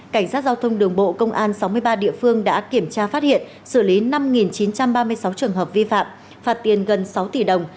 cảnh sát giao thông đường bộ công an sáu mươi ba địa phương đã kiểm tra phát hiện xử lý năm chín trăm ba mươi sáu trường hợp vi phạm phạt tiền gần sáu tỷ đồng